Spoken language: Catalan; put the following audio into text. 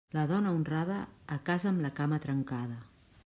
La dona honrada, a casa amb la cama trencada.